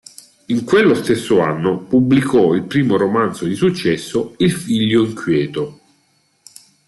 In quello stesso anno pubblicò il primo romanzo di successo, "Il figlio inquieto".